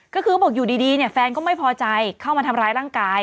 ก็คือบอกอยู่ดีเนี่ยแฟนก็ไม่พอใจเข้ามาทำร้ายร่างกาย